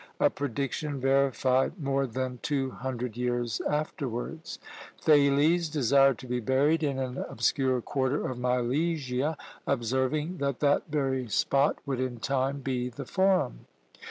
a prediction verified more than two hundred years afterwards! Thales desired to be buried in an obscure quarter of Milesia, observing that that very spot would in time be the forum.